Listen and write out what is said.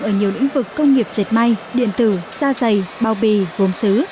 ở nhiều lĩnh vực công nghiệp dệt may điện tử xa dày bao bì gồm xứ